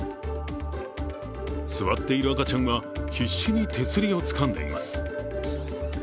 座っている赤ちゃんは必死に手すりをつかんでいます。